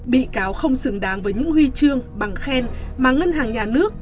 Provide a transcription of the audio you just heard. bị cáo không xứng đáng với những huy chương bằng khen mà ngân hàng nhà nước